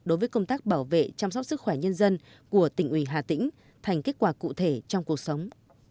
đối với công tác bảo vệ chăm sóc sức khỏe nhân dân của tỉnh ủy hà tĩnh thành kết quả cụ thể trong cuộc sống